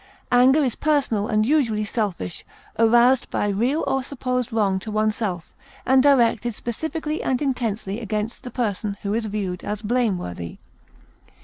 Anger is personal and usually selfish, aroused by real or supposed wrong to oneself, and directed specifically and intensely against the person who is viewed as blameworthy.